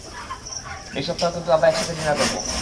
এই সপ্তাহ কিন্তু আমরা একসাথে ডিনার করবো।